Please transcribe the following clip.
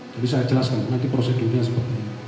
jadi saya jelaskan nanti prosedurnya seperti ini